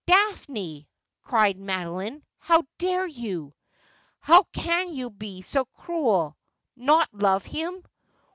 'Daphne!' cried Madeline, 'how dare you? How can you be so cruel? Not love him